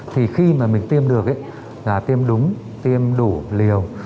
thì khi mà mình tiêm được ấy là tiêm đúng tiêm đủ liều